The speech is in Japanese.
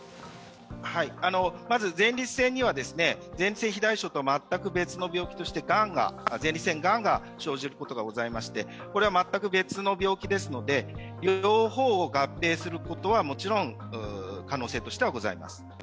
まず前立腺にはぜんてい肥大症と全く同じ、前立腺がんが生じることがございましてこれは全く別の病気ですので両方を合併することはもちろん可能性としてはございます。